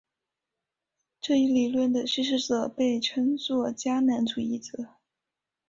这一理论的支持者被称作迦南主义者。